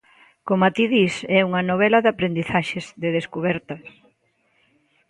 Coma ti dis, é unha novela de aprendizaxes, de descubertas.